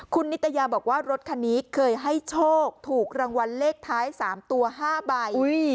คุณนิตยาบอกว่ารถคันนี้เคยให้โชคถูกรางวัลเลขท้าย๓ตัว๕ใบ